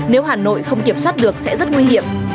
nếu hà nội không kiểm soát được sẽ rất nguy hiểm